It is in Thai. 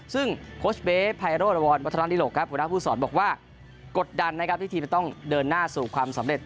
ซึ่งโค้ชเบ๊ไพโรธวรวัฒนาดิหลกครับหัวหน้าผู้สอนบอกว่ากดดันนะครับที่ทีมจะต้องเดินหน้าสู่ความสำเร็จ